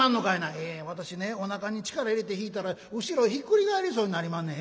「ええ私ねおなかに力入れて弾いたら後ろひっくり返りそうになりまんねん。